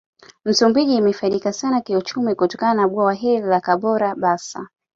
Msumbiji imefaidika sana kiuchumi kutokana na Bwawa hili la Kabora basa